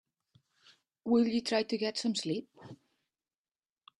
Will you try to get some sleep?